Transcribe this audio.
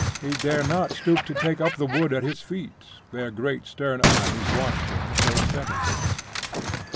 He dare not stoop to take up the wood at his feet, their great stern eyes watched him so steadily.